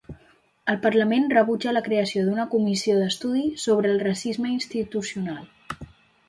El Parlament rebutja la creació d'una comissió d'estudi sobre el racisme institucional.